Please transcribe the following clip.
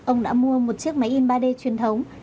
ông đã mua một chiếc máy in ba d truyền thống